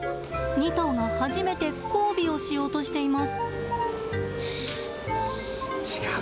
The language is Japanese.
２頭が初めて交尾をしようとしています。